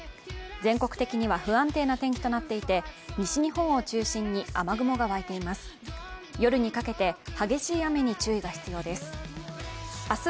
全国的には不安定な天気となっていて西日本を中心に雨雲が湧いています。